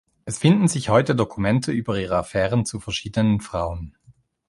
Es finden sich heute Dokumente über ihre Affären zu verschiedenen Frauen.